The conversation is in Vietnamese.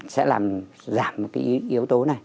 sẽ làm giảm cái yếu tố này